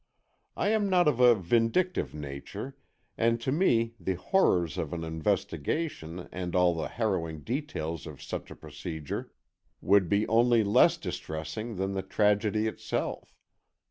I am not of a vindictive nature and to me the horrors of an investigation and all the harrowing details of such a procedure would be only less distressing than the tragedy itself.